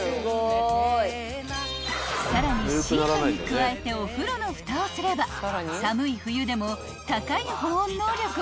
［さらにシートに加えてお風呂のふたをすれば寒い冬でも高い保温能力を発揮できちゃうんです］